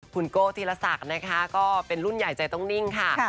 คุณโก้ธีรศักดิ์นะคะก็เป็นรุ่นใหญ่ใจต้องนิ่งค่ะ